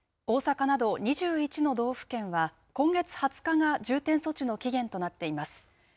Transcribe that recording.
大阪など２１の道府県は今月２０日が重点措置の期限となっています。